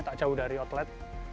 tak jauh dari outlet